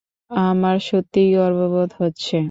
আমার সত্যিই গর্ববোধ হচ্ছে।